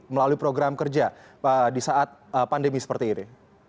melalui program kerja di saat pandemi seperti ini